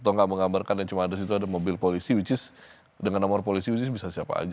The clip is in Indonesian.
atau enggak menggambarkan yang cuma ada mobil polisi which is dengan nomor polisi bisa siapa aja